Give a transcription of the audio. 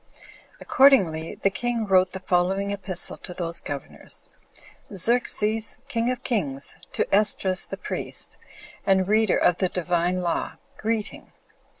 Accordingly, the king wrote the following epistle to those governors: "Xerxes, king of kings, to Esdras the priest, and reader of the Divine law, greeting.